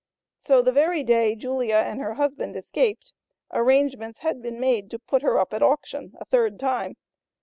So the very day Julia and her husband escaped, arrangements had been made to put her up at auction a third time.